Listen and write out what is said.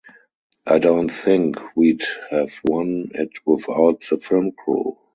I don't think we'd have won it without the film crew.